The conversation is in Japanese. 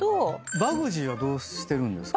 バグジーはどうしてるんですか？